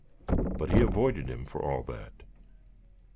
But he avoided him for all that.